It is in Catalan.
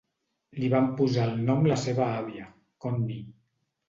Li van posar el nom la seva àvia, Connie.